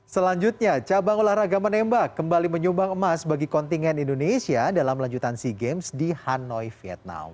selanjutnya cabang olahraga menembak kembali menyumbang emas bagi kontingen indonesia dalam lanjutan sea games di hanoi vietnam